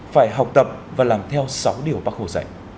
phải học tập và làm theo sáu điều bác hồ dạy